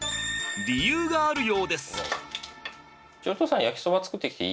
理由があるようです。